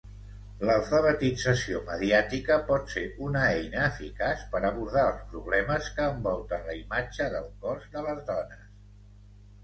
L'alfabetització mediàtica pot ser una eina eficaç per abordar els problemes que envolten la imatge del cos de les dones.